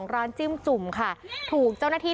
ร้านจิ้มจุ่มค่ะถูกเจ้าหน้าที่